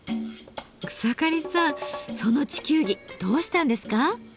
草刈さんその地球儀どうしたんですか？